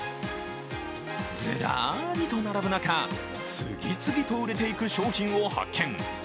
ずらーりと並ぶ中、次々と売れていく商品を発見。